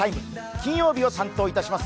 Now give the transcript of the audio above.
金曜日を担当いたします